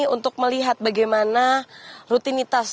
untuk melihat bagaimana rutinitas